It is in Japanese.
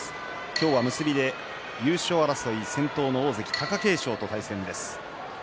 今日は結びで優勝争い先頭の大関貴景勝と対戦です。